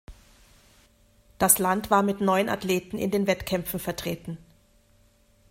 Das Land war mit neun Athleten in den Wettkämpfen vertreten.